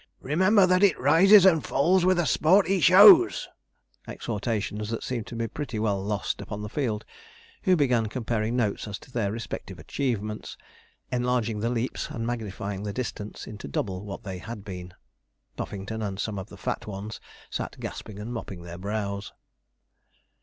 'Remember that it rises and falls with the sport he shows' exhortations that seemed to be pretty well lost upon the field, who began comparing notes as to their respective achievements, enlarging the leaps and magnifying the distance into double what they had been. Puffington and some of the fat ones sat gasping and mopping their brows.